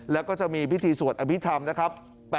แล้วก็จะมีพิธีสวดอภิษฐรรมนะครับ